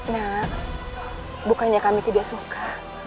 nah bukannya kami tidak suka